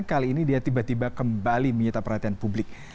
kali ini dia tiba tiba kembali menyita perhatian publik